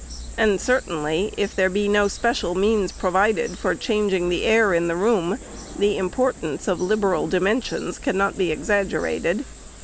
And certainly, if there be no special means provided for changing the air in the room, the im portance of liberal dimensions cannot be exaggerated.